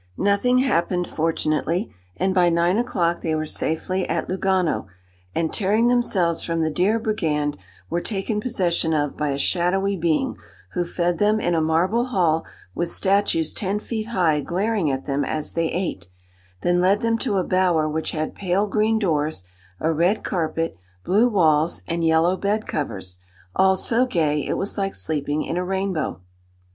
Nothing happened, fortunately, and by nine o'clock they were safely at Lugano, and, tearing themselves from the dear brigand, were taken possession of by a shadowy being, who fed them in a marble hall with statues ten feet high glaring at them as they ate, then led them to a bower which had pale green doors, a red carpet, blue walls, and yellow bed covers, all so gay it was like sleeping in a rainbow.